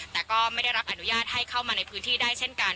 แต่ก็ไม่ได้รับอนุญาตให้เข้ามาในพื้นที่ได้เช่นกัน